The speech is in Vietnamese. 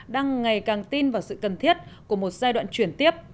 đang ngày càng tin vào sự cần thiết của một giai đoạn chuyển tiếp